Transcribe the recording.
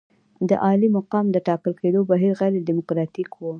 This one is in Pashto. د عالي مقام د ټاکل کېدو بهیر غیر ډیموکراتیک وو.